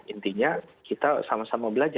intinya kita sama sama belajar